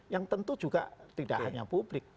yang tentu juga tidak hanya publik